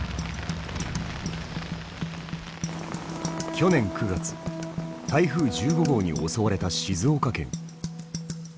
去年９月台風１５号に襲われた静岡県。